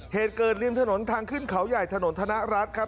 เหตุเกิดริมถนนทางขึ้นเขาใหญ่ถนนธนรัฐครับ